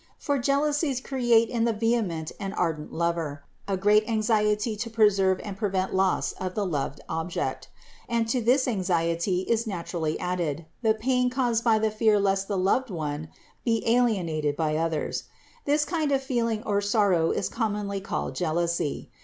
For jealousies create in the vehement and ardent lover a great anxiety to preserve and prevent loss of the loved object; and to this anxiety is naturally added the pain caused by the fear lest the loved one be alienated by others. This kind of feeling or sorrow is commonly called jealousy.